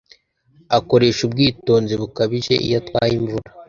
Akoresha ubwitonzi bukabije iyo atwaye imvura